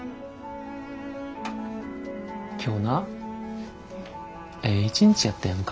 今日なええ一日やったやんか。